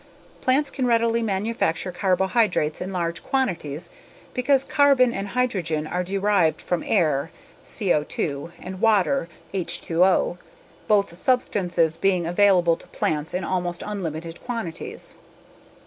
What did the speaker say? Plants can readily manufacture carbohydrates in large quantities because carbon and hydrogen are derived from air (C02) and water (H2O), both substances being available to plants in almost unlimited quantities.